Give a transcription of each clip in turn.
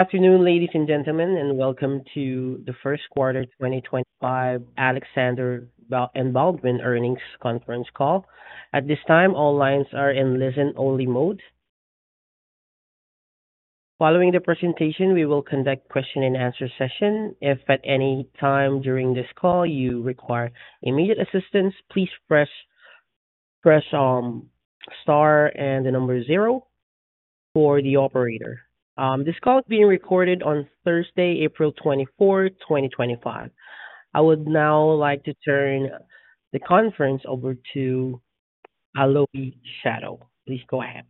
Afternoon, ladies and gentlemen, and welcome to the first quarter 2025 Alexander & Baldwin earnings conference call. At this time, all lines are in listen-only mode. Following the presentation, we will conduct a question-and-answer session. If at any time during this call you require immediate assistance, please press star and the number zero for the operator. This call is being recorded on Thursday, April 24, 2025. I would now like to turn the conference over to Alohi Shatto, please go ahead.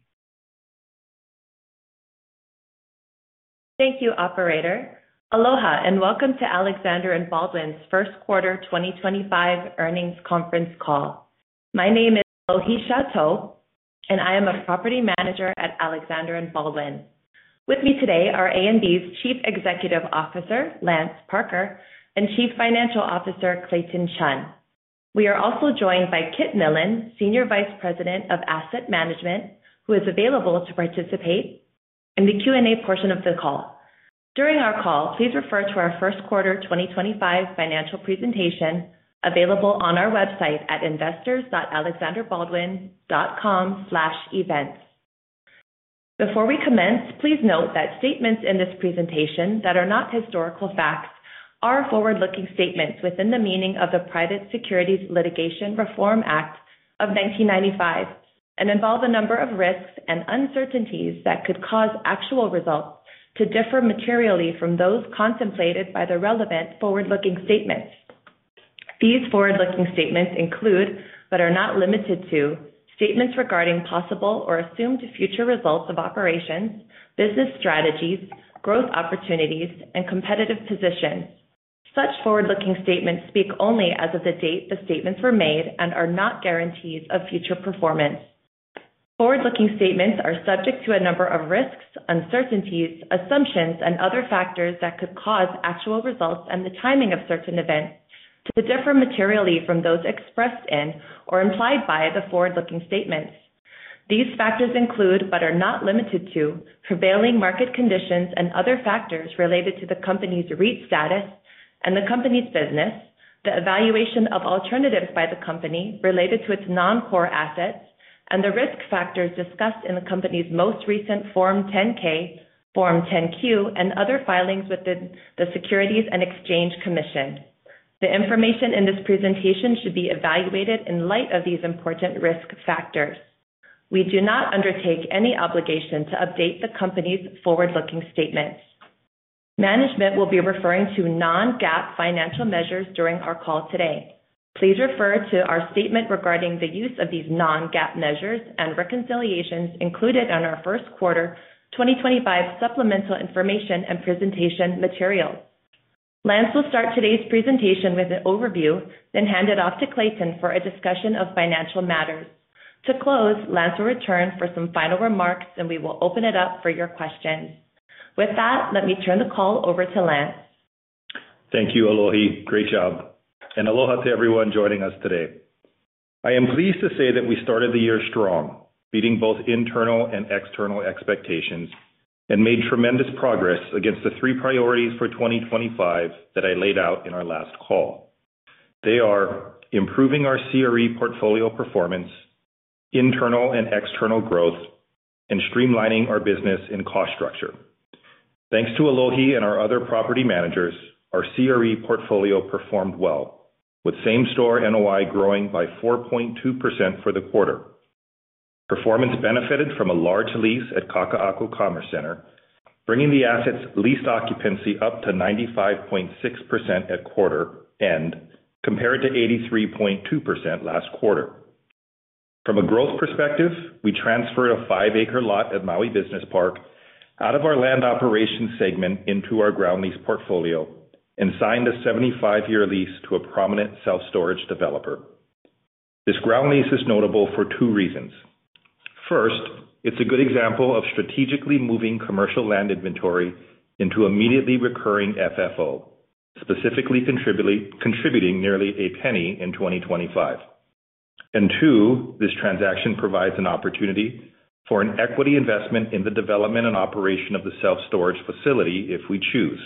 Thank you, operator. Aloha and welcome to Alexander & Baldwin's first quarter 2025 earnings conference call. My name is Alohi Shatto, and I am a Property Manager at Alexander & Baldwin. With me today are A&B's Chief Executive Officer, Lance Parker, and Chief Financial Officer, Clayton Chun. We are also joined by Kit Millan, Senior Vice President of Asset Management, who is available to participate in the Q&A portion of the call. During our call, please refer to our first quarter 2025 financial presentation available on our website at investors.alexanderbaldwin.com/events. Before we commence, please note that statements in this presentation that are not historical facts are forward-looking statements within the meaning of the Private Securities Litigation Reform Act of 1995 and involve a number of risks and uncertainties that could cause actual results to differ materially from those contemplated by the relevant forward-looking statements. These forward-looking statements include, but are not limited to, statements regarding possible or assumed future results of operations, business strategies, growth opportunities, and competitive positions. Such forward-looking statements speak only as of the date the statements were made and are not guarantees of future performance. Forward-looking statements are subject to a number of risks, uncertainties, assumptions, and other factors that could cause actual results and the timing of certain events to differ materially from those expressed in or implied by the forward-looking statements. These factors include, but are not limited to, prevailing market conditions and other factors related to the company's REIT status and the company's business, the evaluation of alternatives by the company related to its non-core assets, and the risk factors discussed in the company's most recent Form 10-K, Form 10-Q, and other filings within the Securities and Exchange Commission. The information in this presentation should be evaluated in light of these important risk factors. We do not undertake any obligation to update the company's forward-looking statements. Management will be referring to non-GAAP financial measures during our call today. Please refer to our statement regarding the use of these non-GAAP measures and reconciliations included on our first quarter 2025 supplemental information and presentation materials. Lance will start today's presentation with an overview, then hand it off to Clayton for a discussion of financial matters. To close, Lance will return for some final remarks, and we will open it up for your questions. With that, let me turn the call over to Lance. Thank you, Alohi. Great job. Aloha to everyone joining us today. I am pleased to say that we started the year strong, meeting both internal and external expectations, and made tremendous progress against the three priorities for 2025 that I laid out in our last call. They are improving our CRE portfolio performance, internal and external growth, and streamlining our business and cost structure. Thanks to Alohi and our other property managers, our CRE portfolio performed well, with same-store NOI growing by 4.2% for the quarter. Performance benefited from a large lease at Kakaako Commerce Center, bringing the asset's leased occupancy up to 95.6% at quarter-end compared to 83.2% last quarter. From a growth perspective, we transferred a 5-acre lot at Maui Business Park out of our Land Operations segment into our ground lease portfolio and signed a 75-year lease to a prominent self-storage developer. This ground lease is notable for two reasons. First, it's a good example of strategically moving commercial land inventory into immediately recurring FFO, specifically contributing nearly $0.01 in 2025. Two, this transaction provides an opportunity for an equity investment in the development and operation of the self-storage facility if we choose.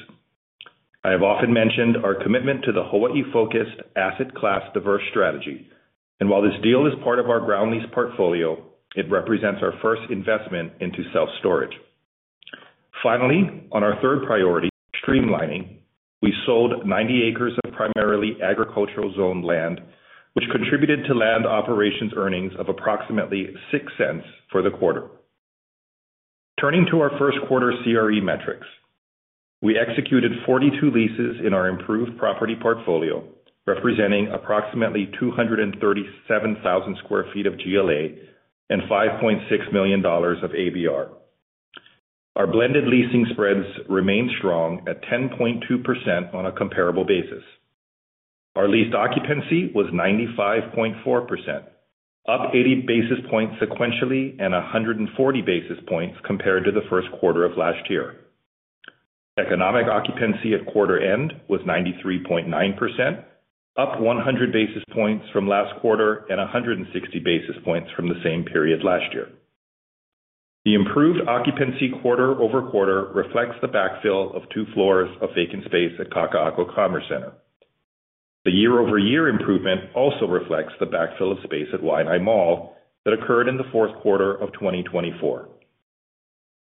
I have often mentioned our commitment to the Hawaii-focused asset class diverse strategy, and while this deal is part of our ground lease portfolio, it represents our first investment into self-storage. Finally, on our third priority, streamlining, we sold 90 acres of primarily agricultural-zoned land, which contributed to Land Operations earnings of approximately $0.06 for the quarter. Turning to our first quarter CRE metrics, we executed 42 leases in our improved property portfolio, representing approximately 237,000 sq ft of GLA and $5.6 million of ABR. Our blended leasing spreads remain strong at 10.2% on a comparable basis. Our leased occupancy was 95.4%, up 80 basis points sequentially and 140 basis points compared to the first quarter of last year. Economic occupancy at quarter-end was 93.9%, up 100 basis points from last quarter and 160 basis points from the same period last year. The improved occupancy quarter-over-quarter reflects the backfill of two floors of vacant space at Kakaako Commerce Center. The year-over-year improvement also reflects the backfill of space at Waianae Mall that occurred in the fourth quarter of 2024.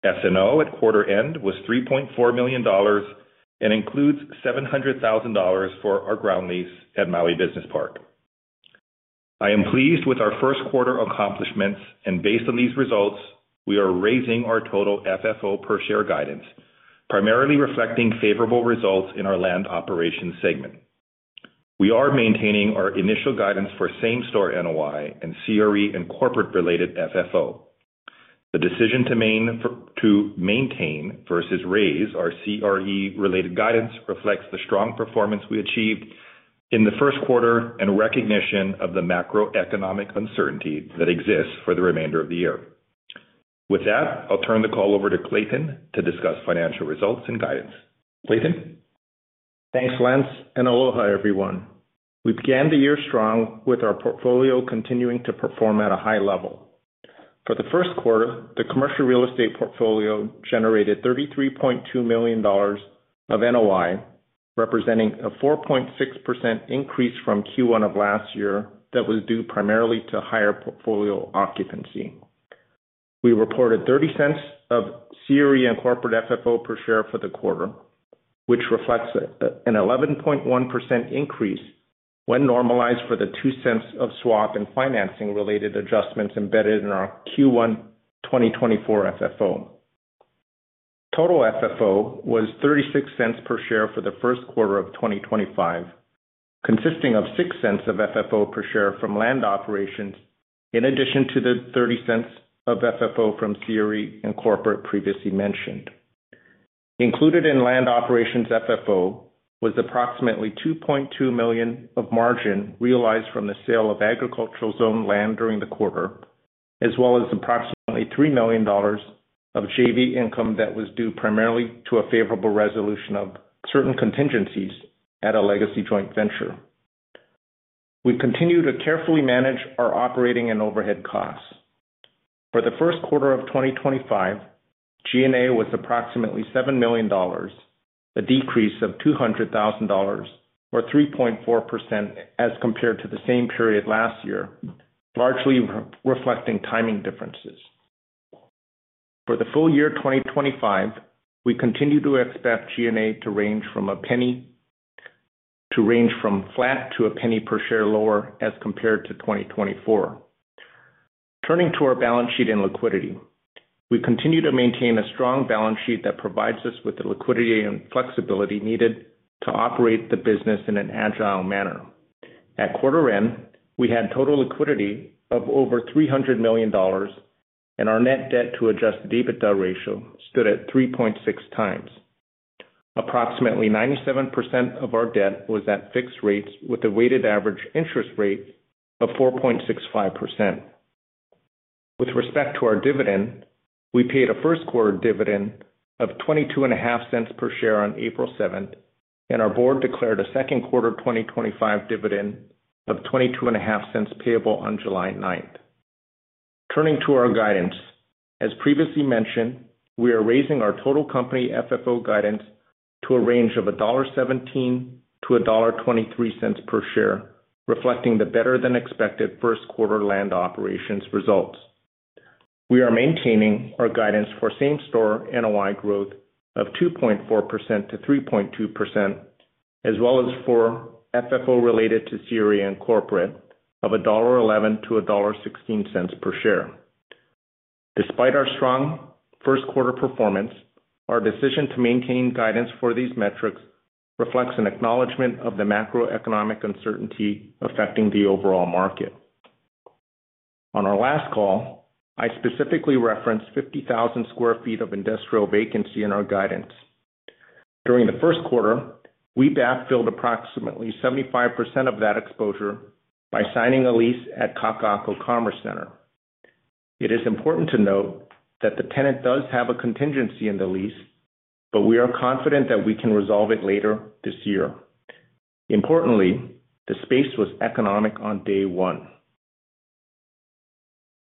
S&O at quarter-end was $3.4 million and includes $700,000 for our ground lease at Maui Business Park. I am pleased with our first quarter accomplishments, and based on these results, we are raising our total FFO per share guidance, primarily reflecting favorable results in our Land Operations segment. We are maintaining our initial guidance for same-store NOI and CRE and corporate-related FFO. The decision to maintain versus raise our CRE-related guidance reflects the strong performance we achieved in the first quarter and recognition of the macroeconomic uncertainty that exists for the remainder of the year. With that, I'll turn the call over to Clayton to discuss financial results and guidance. Clayton. Thanks, Lance. Aloha, everyone. We began the year strong with our portfolio continuing to perform at a high level. For the first quarter, the commercial real estate portfolio generated $33.2 million of NOI, representing a 4.6% increase from Q1 of last year that was due primarily to higher portfolio occupancy. We reported $0.30 of CRE and corporate FFO per share for the quarter, which reflects an 11.1% increase when normalized for the $0.02 of swap and financing-related adjustments embedded in our Q1 2024 FFO. Total FFO was $0.36 per share for the first quarter of 2025, consisting of $0.06 of FFO per share from Land Operations, in addition to the $0.30 of FFO from CRE and corporate previously mentioned. Included in Land Operations FFO was approximately $2.2 million of margin realized from the sale of agricultural-zoned land during the quarter, as well as approximately $3 million of JV income that was due primarily to a favorable resolution of certain contingencies at a legacy joint venture. We continue to carefully manage our operating and overhead costs. For the first quarter of 2025, G&A was approximately $7 million, a decrease of $200,000 or 3.4% as compared to the same period last year, largely reflecting timing differences. For the full year 2025, we continue to expect G&A to range from flat to $0.01 per share lower as compared to 2024. Turning to our balance sheet and liquidity, we continue to maintain a strong balance sheet that provides us with the liquidity and flexibility needed to operate the business in an agile manner. At quarter-end, we had total liquidity of over $300 million, and our net debt-to-adjusted EBITDA ratio stood at 3.6x. Approximately 97% of our debt was at fixed rates with a weighted average interest rate of 4.65%. With respect to our dividend, we paid a first quarter dividend of $0.225 per share on April 7, and our Board declared a second quarter 2025 dividend of $0.225 payable on July 9. Turning to our guidance, as previously mentioned, we are raising our total company FFO guidance to a range of $1.17-$1.23 per share, reflecting the better-than-expected first quarter Land Operations results. We are maintaining our guidance for same-store NOI growth of 2.4%-3.2%, as well as for FFO related to CRE and corporate of $1.11-$1.16 per share. Despite our strong first quarter performance, our decision to maintain guidance for these metrics reflects an acknowledgment of the macroeconomic uncertainty affecting the overall market. On our last call, I specifically referenced 50,000 sq ft of industrial vacancy in our guidance. During the first quarter, we backfilled approximately 75% of that exposure by signing a lease at Kakaako Commerce Center. It is important to note that the tenant does have a contingency in the lease, but we are confident that we can resolve it later this year. Importantly, the space was economic on day one.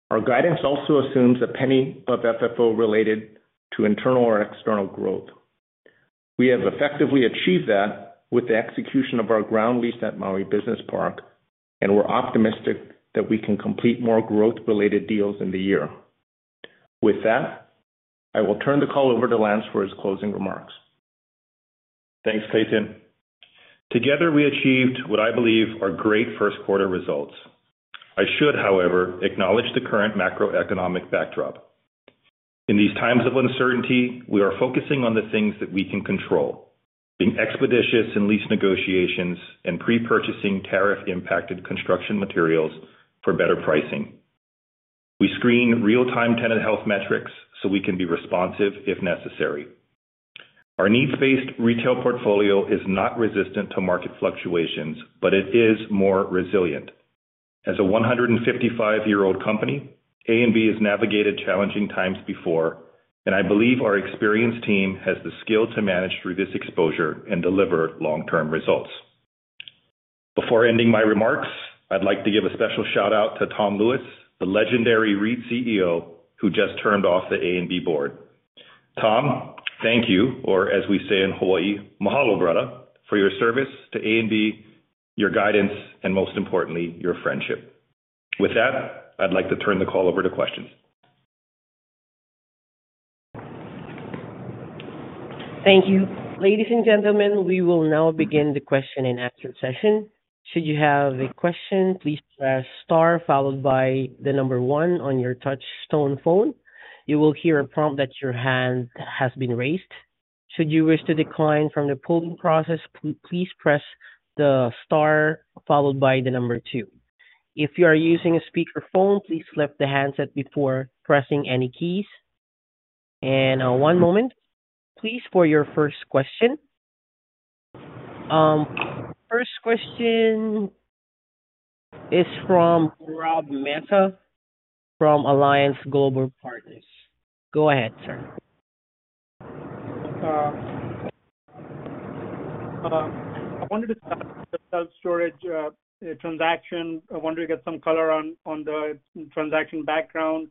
Our guidance also assumes $0.01 of FFO related to internal or external growth. We have effectively achieved that with the execution of our ground lease at Maui Business Park, and we're optimistic that we can complete more growth-related deals in the year. With that, I will turn the call over to Lance for his closing remarks. Thanks, Clayton. Together, we achieved what I believe are great first quarter results. I should, however, acknowledge the current macroeconomic backdrop. In these times of uncertainty, we are focusing on the things that we can control, being expeditious in lease negotiations and pre-purchasing tariff-impacted construction materials for better pricing. We screen real-time tenant health metrics so we can be responsive if necessary. Our needs-based retail portfolio is not resistant to market fluctuations, but it is more resilient. As a 155-year-old company, A&B has navigated challenging times before, and I believe our experienced team has the skill to manage through this exposure and deliver long-term results. Before ending my remarks, I'd like to give a special shout-out to Tom Lewis, the legendary REIT CEO who just termed off the A&B Board. Tom, thank you, or as we say in Hawaii, mahalo brother for your service to A&B, your guidance, and most importantly, your friendship. With that, I'd like to turn the call over to questions. Thank you. Ladies and gentlemen, we will now begin the question-and-answer session. Should you have a question, please press star followed by the number one on your touch-tone phone. You will hear a prompt that your hand has been raised. Should you wish to decline from the polling process, please press the star followed by the number two. If you are using a speakerphone, please lift the handset before pressing any keys. One moment, please, for your first question. First question is from Gaurav Mehta from Alliance Global Partners. Go ahead, sir. I wanted to start with the self-storage transaction. I wanted to get some color on the transaction background.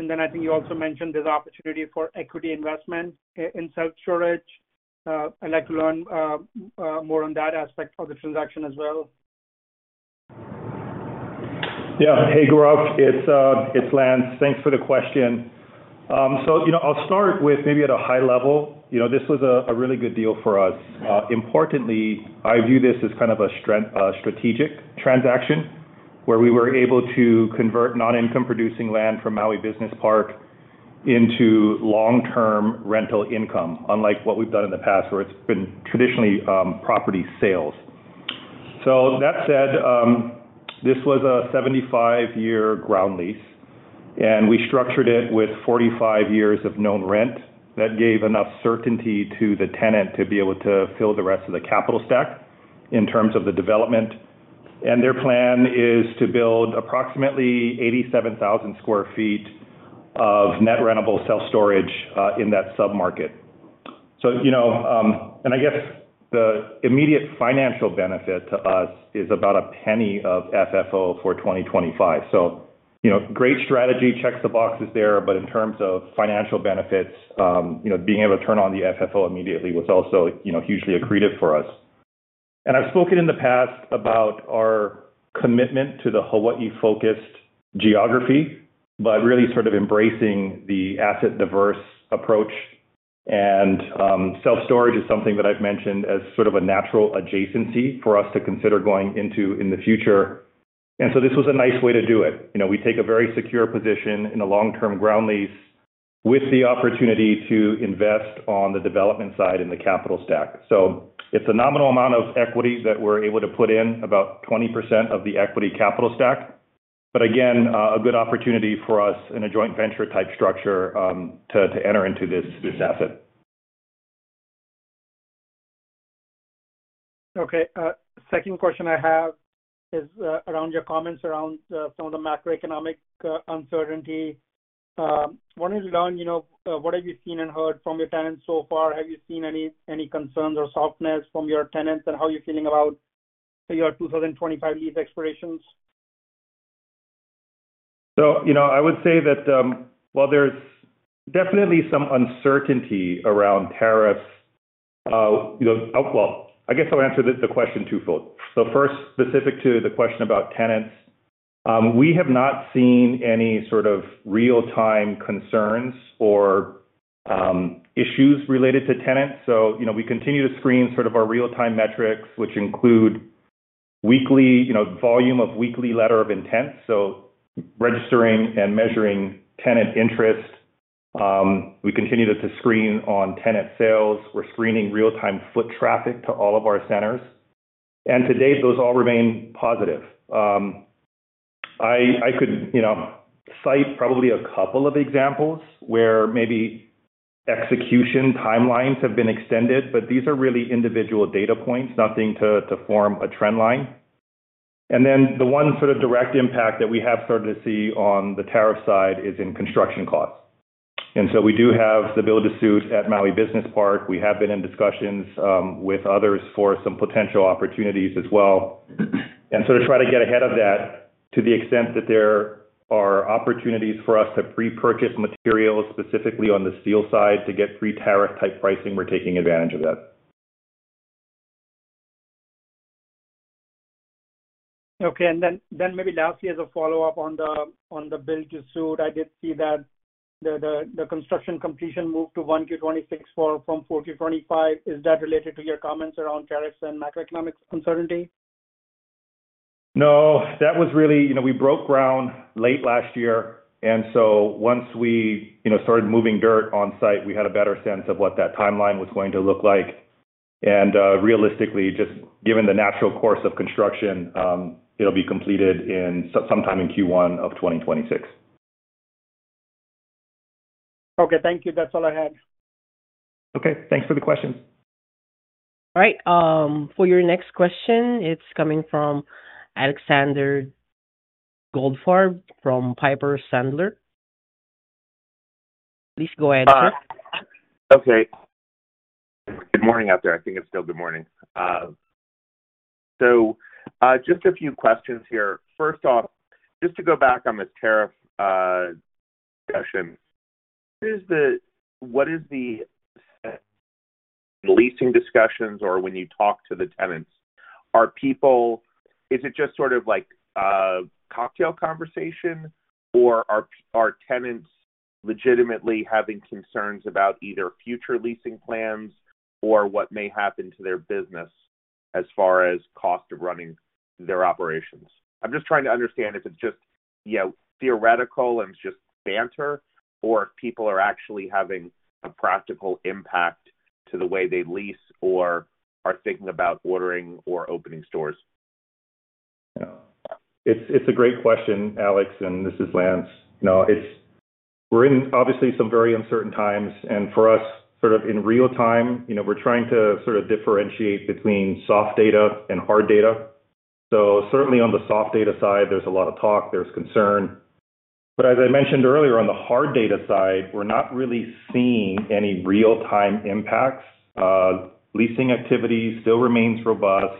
I think you also mentioned there's an opportunity for equity investment in self-storage. I'd like to learn more on that aspect of the transaction as well. Yeah. Hey, Gaurav. It's Lance. Thanks for the question. I'll start with maybe at a high level. This was a really good deal for us. Importantly, I view this as kind of a strategic transaction where we were able to convert non-income-producing land from Maui Business Park into long-term rental income, unlike what we've done in the past where it's been traditionally property sales. That said, this was a 75-year ground lease, and we structured it with 45 years of known rent. That gave enough certainty to the tenant to be able to fill the rest of the capital stack in terms of the development. Their plan is to build approximately 87,000 sq ft of net rentable self-storage in that sub-market. I guess the immediate financial benefit to us is about $0.01 of FFO for 2025. Great strategy, checks the boxes there, but in terms of financial benefits, being able to turn on the FFO immediately was also hugely accretive for us. I've spoken in the past about our commitment to the Hawaii-focused geography, but really sort of embracing the asset diverse approach. Self-storage is something that I've mentioned as sort of a natural adjacency for us to consider going into in the future. This was a nice way to do it. We take a very secure position in a long-term ground lease with the opportunity to invest on the development side in the capital stack. It's a nominal amount of equity that we're able to put in, about 20% of the equity capital stack. Again, a good opportunity for us in a joint venture-type structure to enter into this asset. Okay. Second question I have is around your comments around some of the macroeconomic uncertainty. I wanted to learn what have you seen and heard from your tenants so far? Have you seen any concerns or softness from your tenants, and how are you feeling about your 2025 lease expirations? I would say that, well, there's definitely some uncertainty around tariffs. I guess I'll answer the question twofold. First, specific to the question about tenants, we have not seen any sort of real-time concerns or issues related to tenants. We continue to screen sort of our real-time metrics, which include volume of weekly letter of intent, so registering and measuring tenant interest. We continue to screen on tenant sales. We're screening real-time foot traffic to all of our centers. To date, those all remain positive. I could cite probably a couple of examples where maybe execution timelines have been extended, but these are really individual data points, nothing to form a trend line. The one sort of direct impact that we have started to see on the tariff side is in construction costs. We do have the build-to-suit at Maui Business Park. We have been in discussions with others for some potential opportunities as well. We sort of try to get ahead of that to the extent that there are opportunities for us to pre-purchase materials specifically on the steel side to get pre-tariff-type pricing. We're taking advantage of that. Okay. And then maybe lastly, as a follow-up on the build-to-suit, I did see that the construction completion moved to 1Q 2026 from 4Q 2025. Is that related to your comments around tariffs and macroeconomic uncertainty? No. That was really we broke ground late last year. Once we started moving dirt on site, we had a better sense of what that timeline was going to look like. Realistically, just given the natural course of construction, it'll be completed sometime in Q1 of 2026. Okay. Thank you. That's all I had. Okay. Thanks for the question. All right. For your next question, it's coming from Alexander Goldfarb from Piper Sandler. Please go ahead, sir. Okay. Good morning out there. I think it's still good morning. Just a few questions here. First off, just to go back on this tariff discussion, what is the leasing discussions or when you talk to the tenants? Is it just sort of like a cocktail conversation, or are tenants legitimately having concerns about either future leasing plans or what may happen to their business as far as cost of running their operations? I'm just trying to understand if it's just, yeah, theoretical and just banter, or if people are actually having a practical impact to the way they lease or are thinking about ordering or opening stores. It's a great question, Alex, and this is Lance. We're in obviously some very uncertain times. For us, sort of in real-time, we're trying to sort of differentiate between soft data and hard data. Certainly on the soft data side, there's a lot of talk. There's concern. As I mentioned earlier, on the hard data side, we're not really seeing any real-time impacts. Leasing activity still remains robust.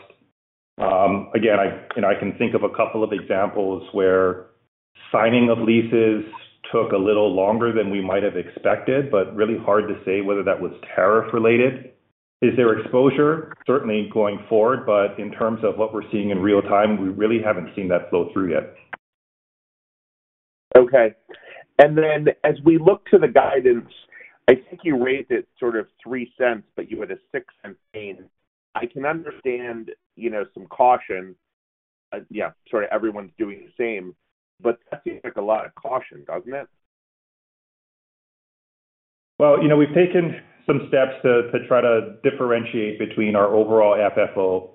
Again, I can think of a couple of examples where signing of leases took a little longer than we might have expected, but really hard to say whether that was tariff-related. Is there exposure? Certainly going forward, but in terms of what we're seeing in real-time, we really haven't seen that flow through yet. Okay. As we look to the guidance, I think you rated it sort of $0.03, but you had a $0.06 gain. I can understand some caution. Yeah, sort of everyone's doing the same. That seems like a lot of caution, doesn't it? We have taken some steps to try to differentiate between our overall FFO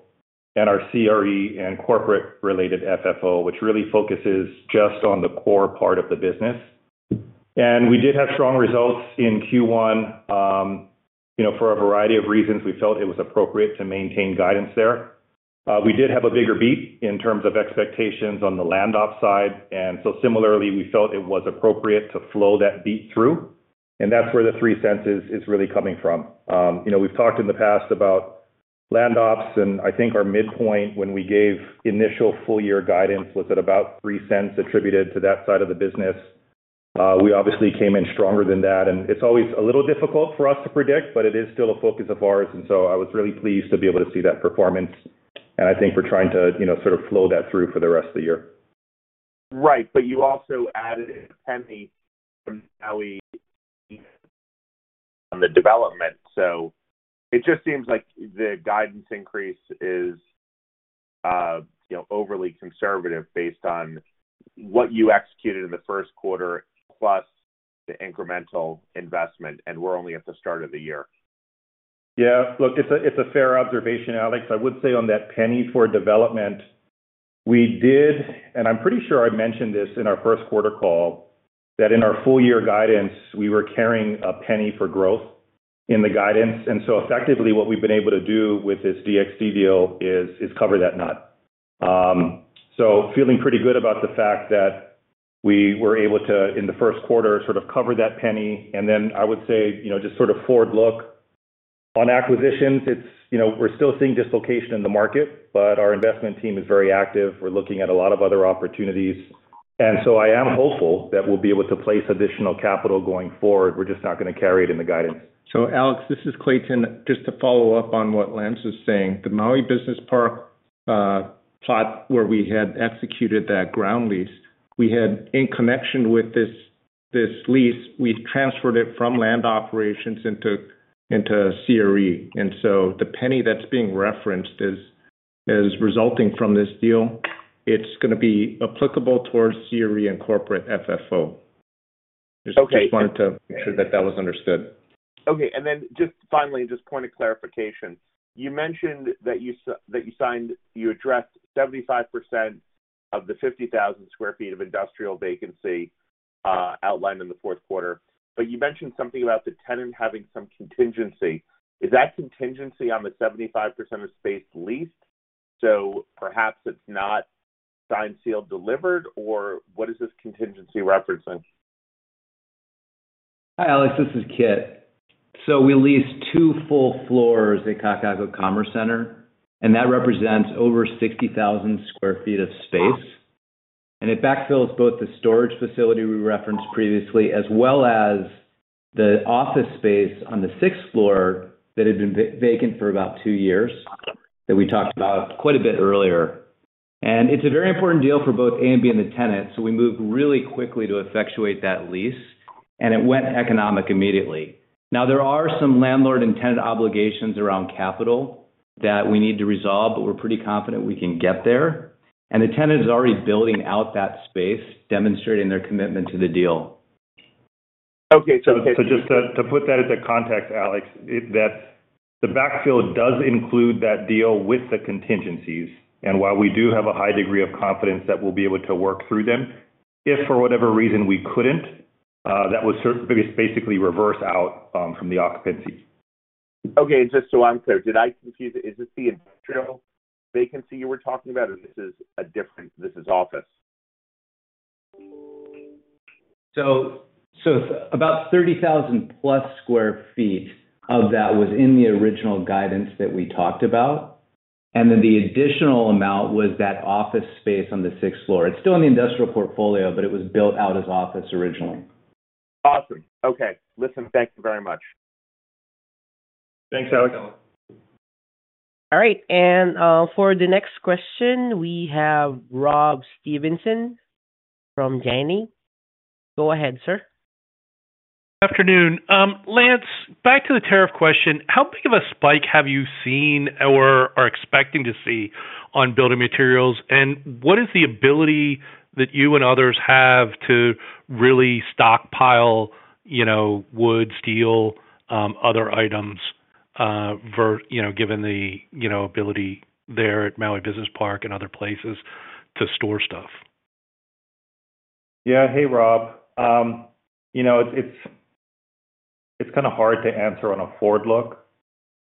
and our CRE and corporate-related FFO, which really focuses just on the core part of the business. We did have strong results in Q1 for a variety of reasons. We felt it was appropriate to maintain guidance there. We did have a bigger beat in terms of expectations on the land op side. Similarly, we felt it was appropriate to flow that beat through. That is where the $0.03 is really coming from. We have talked in the past about land ops, and I think our midpoint when we gave initial full-year guidance was at about $0.03 attributed to that side of the business. We obviously came in stronger than that. It is always a little difficult for us to predict, but it is still a focus of ours. I was really pleased to be able to see that performance. I think we're trying to sort of flow that through for the rest of the year. Right. You also added $0.01 from Maui on the development. It just seems like the guidance increase is overly conservative based on what you executed in the first quarter plus the incremental investment. We're only at the start of the year. Yeah. Look, it's a fair observation, Alex. I would say on that $0.01 for development, we did, and I'm pretty sure I mentioned this in our first quarter call, that in our full-year guidance, we were carrying $0.01 for growth in the guidance. Effectively, what we've been able to do with this DXD deal is cover that nut. Feeling pretty good about the fact that we were able to, in the first quarter, sort of cover that $0.01. I would say just sort of forward look on acquisitions, we're still seeing dislocation in the market, but our investment team is very active. We're looking at a lot of other opportunities. I am hopeful that we'll be able to place additional capital going forward. We're just not going to carry it in the guidance. Alex, this is Clayton. Just to follow up on what Lance was saying, the Maui Business Park plot where we had executed that ground lease, in connection with this lease, we transferred it from Land Operations into CRE. The $0.01 that's being referenced is resulting from this deal. It's going to be applicable towards CRE and corporate FFO. Just wanted to make sure that that was understood. Okay. And then just finally, just point of clarification. You mentioned that you addressed 75% of the 50,000 sq ft of industrial vacancy outlined in the fourth quarter. You mentioned something about the tenant having some contingency. Is that contingency on the 75% of space leased? Perhaps it's not signed, sealed, delivered, or what is this contingency referencing? Hi, Alex. This is Kit. We leased two full floors at Kakaako Commerce Center, and that represents over 60,000 sq ft of space. It backfills both the storage facility we referenced previously as well as the office space on the sixth floor that had been vacant for about two years that we talked about quite a bit earlier. It is a very important deal for both A&B and the tenant. We moved really quickly to effectuate that lease, and it went economic immediately. There are some landlord and tenant obligations around capital that we need to resolve, but we're pretty confident we can get there. The tenant is already building out that space, demonstrating their commitment to the deal. Okay. So the Just to put that as a context, Alex, the backfill does include that deal with the contingencies. And while we do have a high degree of confidence that we'll be able to work through them, if for whatever reason we couldn't, that was basically reversed out from the occupancy. Okay. Just so I'm clear, did I confuse it? Is this the industrial vacancy you were talking about, or this is office? About 30,000+ sq ft of that was in the original guidance that we talked about. The additional amount was that office space on the sixth floor. It is still in the industrial portfolio, but it was built out as office originally. Awesome. Okay. Listen, thank you very much. Thanks, Alex. All right. For the next question, we have Rob Stevenson from Janney. Go ahead, sir. Good afternoon. Lance, back to the tariff question. How big of a spike have you seen or are expecting to see on building materials? What is the ability that you and others have to really stockpile wood, steel, other items, given the ability there at Maui Business Park and other places to store stuff? Yeah. Hey, Rob. It's kind of hard to answer on a forward look.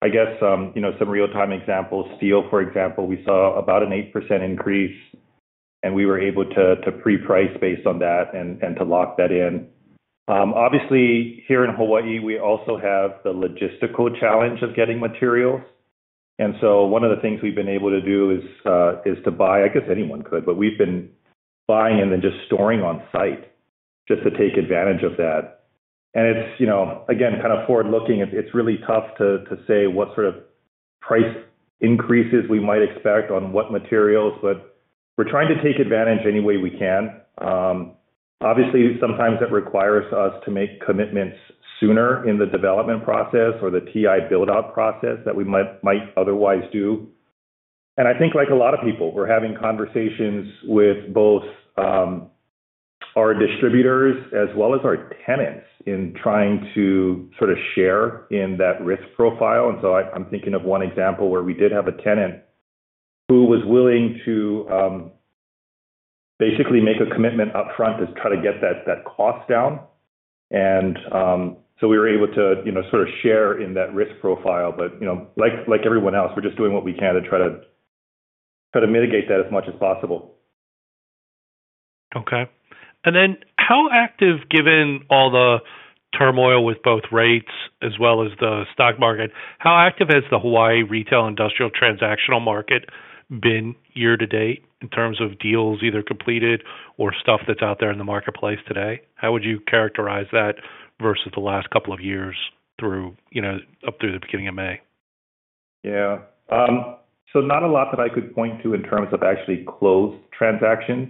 I guess some real-time examples, steel, for example, we saw about an 8% increase, and we were able to pre-price based on that and to lock that in. Obviously, here in Hawaii, we also have the logistical challenge of getting materials. One of the things we've been able to do is to buy—I guess anyone could, but we've been buying and then just storing on site just to take advantage of that. It's, again, kind of forward-looking. It's really tough to say what sort of price increases we might expect on what materials, but we're trying to take advantage any way we can. Obviously, sometimes that requires us to make commitments sooner in the development process or the TI build-out process that we might otherwise do. I think, like a lot of people, we're having conversations with both our distributors as well as our tenants in trying to sort of share in that risk profile. I'm thinking of one example where we did have a tenant who was willing to basically make a commitment upfront to try to get that cost down. We were able to sort of share in that risk profile. Like everyone else, we're just doing what we can to try to mitigate that as much as possible. Okay. How active, given all the turmoil with both rates as well as the stock market, how active has the Hawaii retail industrial transactional market been year to date in terms of deals either completed or stuff that's out there in the marketplace today? How would you characterize that versus the last couple of years up through the beginning of May? Yeah. Not a lot that I could point to in terms of actually closed transactions.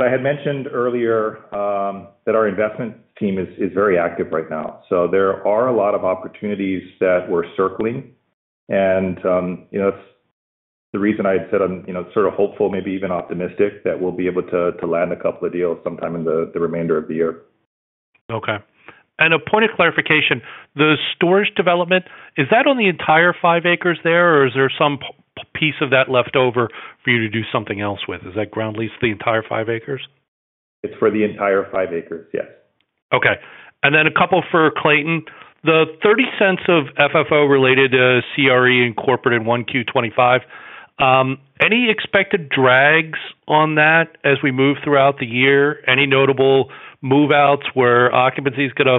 I had mentioned earlier that our investment team is very active right now. There are a lot of opportunities that we're circling. That's the reason I had said I'm sort of hopeful, maybe even optimistic, that we'll be able to land a couple of deals sometime in the remainder of the year. Okay. A point of clarification, the storage development, is that on the entire 5 acres there, or is there some piece of that left over for you to do something else with? Is that ground lease the entire 5 acres? It's for the entire 5 acres, yes. Okay. A couple for Clayton. The $0.30 of FFO related to CRE and corporate in 1Q 2025, any expected drags on that as we move throughout the year? Any notable move-outs where occupancy is going to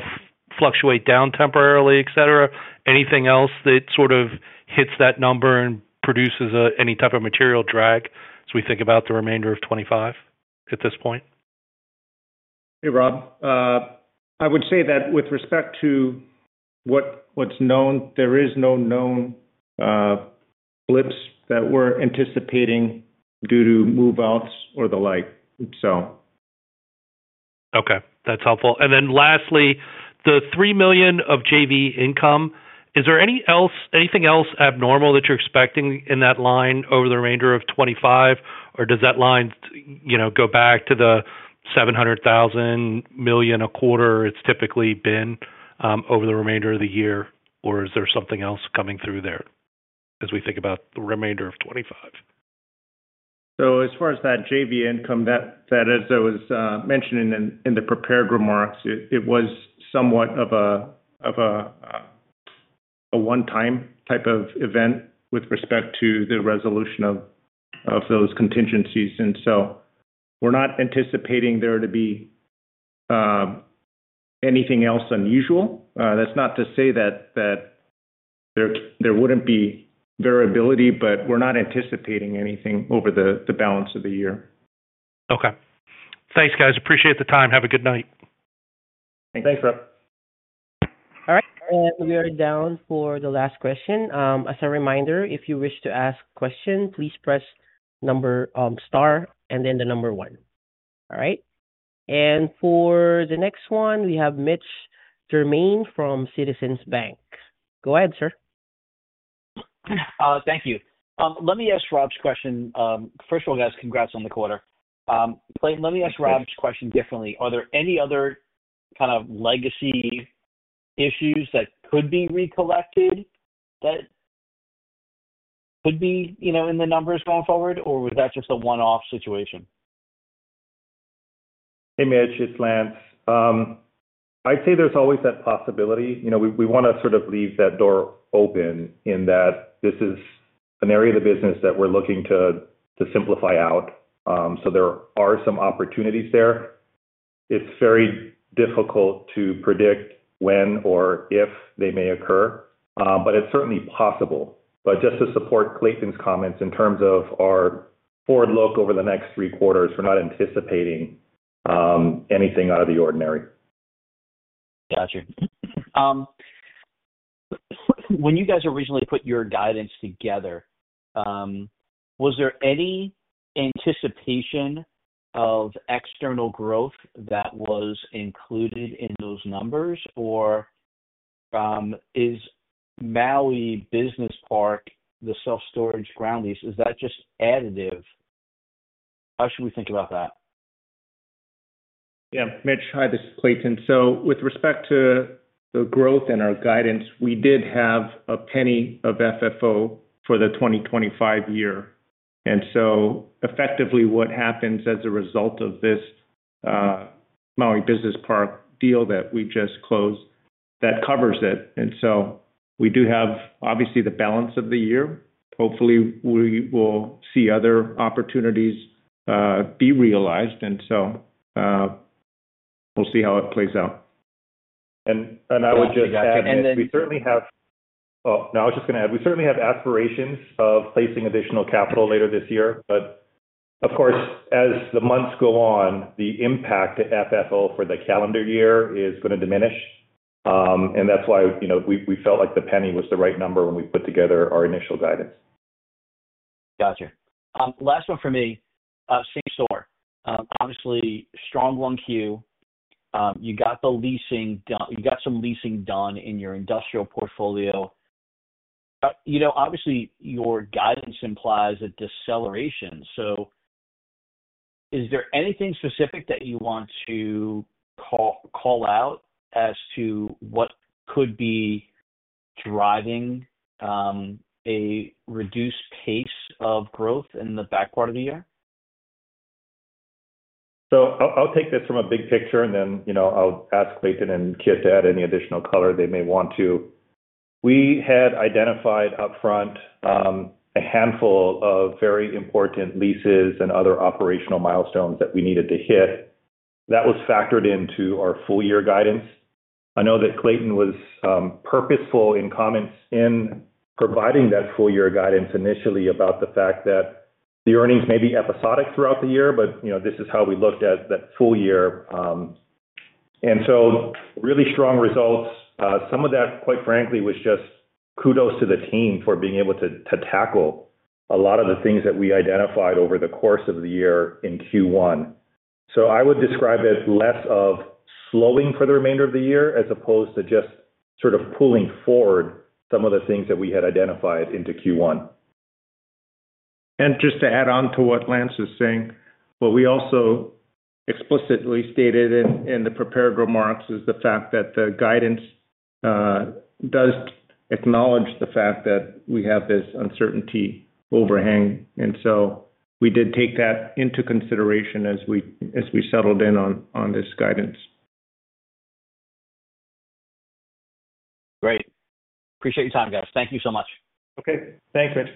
fluctuate down temporarily, etc.? Anything else that sort of hits that number and produces any type of material drag as we think about the remainder of 2025 at this point? Hey, Rob. I would say that with respect to what's known, there is no known blips that we're anticipating due to move-outs or the like. Okay. That's helpful. Lastly, the $3 million of JV income, is there anything else abnormal that you're expecting in that line over the remainder of 2025, or does that line go back to the $700,000, million a quarter it's typically been over the remainder of the year, or is there something else coming through there as we think about the remainder of 2025? As far as that JV income, that, as I was mentioning in the prepared remarks, it was somewhat of a one-time type of event with respect to the resolution of those contingencies. We are not anticipating there to be anything else unusual. That's not to say that there wouldn't be variability, but we are not anticipating anything over the balance of the year. Okay. Thanks, guys. Appreciate the time. Have a good night. Thanks, Rob. All right. We are down for the last question. As a reminder, if you wish to ask a question, please press star and then the number one. All right? For the next one, we have Mitch Germain from Citizens Bank. Go ahead, sir. Thank you. Let me ask Rob's question. First of all, guys, congrats on the quarter. Clayton, let me ask Rob's question differently. Are there any other kind of legacy issues that could be recollected that could be in the numbers going forward, or was that just a one-off situation? Hey, Mitch. It's Lance. I'd say there's always that possibility. We want to sort of leave that door open in that this is an area of the business that we're looking to simplify out. There are some opportunities there. It's very difficult to predict when or if they may occur, but it's certainly possible. Just to support Clayton's comments in terms of our forward look over the next three quarters, we're not anticipating anything out of the ordinary. Gotcha. When you guys originally put your guidance together, was there any anticipation of external growth that was included in those numbers, or is Maui Business Park, the self-storage ground lease, is that just additive? How should we think about that? Yeah. Mitch, hi. This is Clayton. With respect to the growth in our guidance, we did have $0.01 of FFO for the 2025 year. Effectively, what happens as a result of this Maui Business Park deal that we just closed, that covers it. We do have, obviously, the balance of the year. Hopefully, we will see other opportunities be realized. We will see how it plays out. I would just add that we certainly have, oh, no, I was just going to add, we certainly have aspirations of placing additional capital later this year. Of course, as the months go on, the impact of FFO for the calendar year is going to diminish. That is why we felt like the $0.01 was the right number when we put together our initial guidance. Gotcha. Last one for me, same store. Obviously, strong 1Q. You got some leasing done in your industrial portfolio. Obviously, your guidance implies a deceleration. Is there anything specific that you want to call out as to what could be driving a reduced pace of growth in the back part of the year? I'll take this from a big picture, and then I'll ask Clayton and Kit to add any additional color they may want to. We had identified upfront a handful of very important leases and other operational milestones that we needed to hit. That was factored into our full-year guidance. I know that Clayton was purposeful in comments in providing that full-year guidance initially about the fact that the earnings may be episodic throughout the year, but this is how we looked at that full year. Really strong results. Some of that, quite frankly, was just kudos to the team for being able to tackle a lot of the things that we identified over the course of the year in Q1. I would describe it less of slowing for the remainder of the year as opposed to just sort of pulling forward some of the things that we had identified into Q1. Just to add on to what Lance is saying, what we also explicitly stated in the prepared remarks is the fact that the guidance does acknowledge the fact that we have this uncertainty overhang. We did take that into consideration as we settled in on this guidance. Great. Appreciate your time, guys. Thank you so much. Okay. Thanks, Mitch.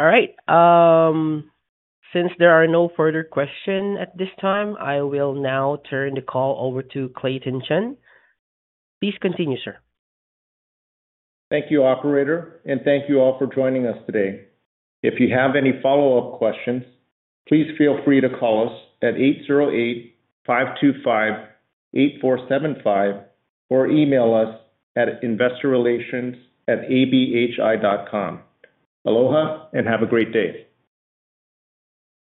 All right. Since there are no further questions at this time, I will now turn the call over to Clayton Chun. Please continue, sir. Thank you, operator. Thank you all for joining us today. If you have any follow-up questions, please feel free to call us at 808-525-8475 or email us at investorrelations@abhawaii.com. Aloha and have a great day.